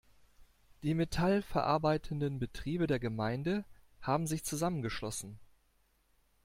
Die Metall verarbeitenden Betriebe der Gemeinde haben sich zusammengeschlossen.